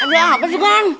ada apa sih kan